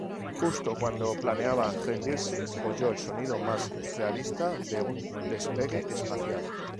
Justo cuando planeaba rendirse, oye el sonido más realista de un despegue espacial.